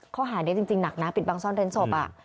ข้อหานี้จริงหนักนะปิดบังซ่อนเร้นศพ